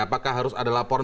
apakah harus ada laporan